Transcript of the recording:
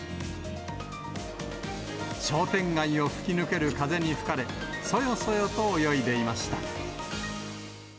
商店街を吹き抜ける風に吹かれ、そよそよと泳いでいました。